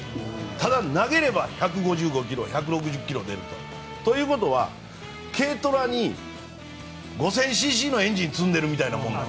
ただ、投げれば１５５ｋｍ１６０ｋｍ出ると。ということは軽トラに５０００ｃｃのエンジンを積んでいるようなもの。